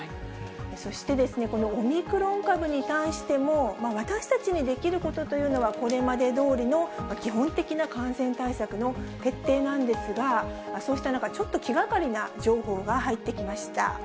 そして、このオミクロン株に対しても、私たちにできることというのは、これまでどおりの基本的な感染対策の徹底なんですが、そうした中、ちょっと気がかりな情報が入ってきました。